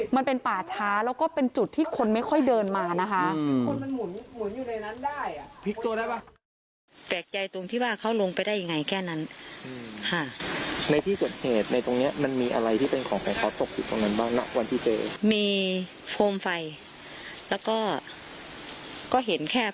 มันเป็นป่าช้าแล้วก็เป็นจุดที่คนไม่ค่อยเดินมานะคะ